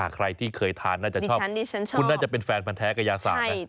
ใครที่เคยทานน่าจะชอบคุณน่าจะเป็นแฟนพันแท้กระยาศาสตร์นะ